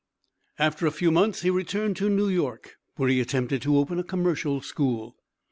After a few months he returned to New York where he attempted to open a Commercial School.